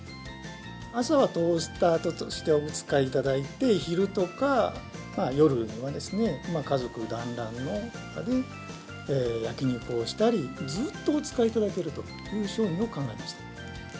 朝はトースターとしてお使いいただいて、昼とか夜ですね、家族団らんで焼き肉をしたり、ずっとお使いいただけるという商品を考えました。